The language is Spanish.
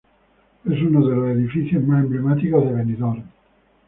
Es uno de los edificios más emblemáticos de Benidorm.